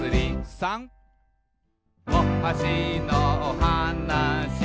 「おはしのおはなし」